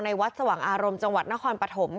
วัดสว่างอารมณ์จังหวัดนครปฐม